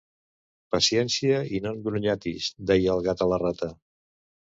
Paciència i non grunyatis, deia el gat a la rata.